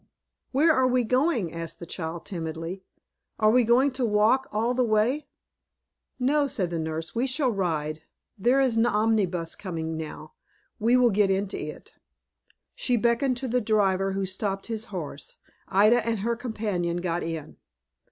"Where are we going?" asked the child, timidly. "Are we going to walk all the way?" "No," said the nurse, "we shall ride. There is an omnibus coming now. We will get into it." She beckoned to the driver who stopped his horse. Ida and her companion got in.